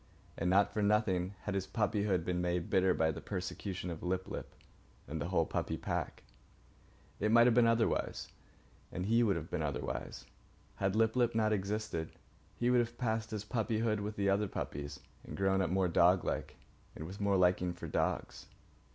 And not for nothing had his puppyhood been made bitter by the persecution of Lip lip and the whole puppy pack. It might have been otherwise, and he would then have been otherwise. Had Lip lip not existed, he would have passed his puppyhood with the other puppies and grown up more doglike and with more liking for dogs.